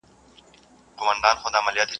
خيال گړي گړي، په تېره بيا د بد رنگ سړي.